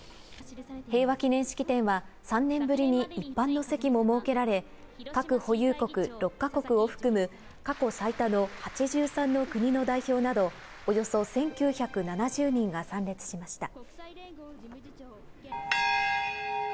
平和祈念式典は、３年ぶりに一般の席も設けられ、核保有国６か国を含む、過去最多の８３の国の代表など、およそ１９７０人が参列しました。